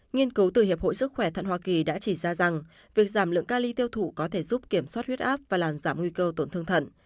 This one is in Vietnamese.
nghiên cứu từ hiệp hội sức khỏe thận hoa kỳ đã chỉ ra rằng việc giảm lượng ca ly tiêu thụ có thể giúp kiểm soát huyết áp và làm giảm nguy cơ tổn thương thận